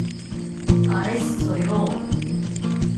알았어요.